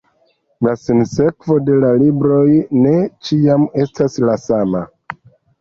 La sinsekvo de la libroj ne ĉiam estas la sama.